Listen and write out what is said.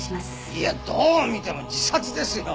いやどう見ても自殺ですよ。